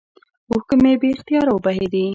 اوښکې مې بې اختياره وبهېدې.